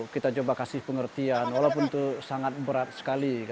kita coba kasih pengertian walaupun itu sangat berat sekali